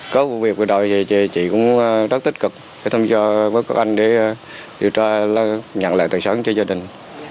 có vụ việc của đội thì chị cũng rất tích cực thông do với các anh để điều tra nhận lại tài sản cho gia đình